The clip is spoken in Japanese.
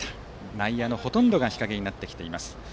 内野のほとんどが日陰になってきています。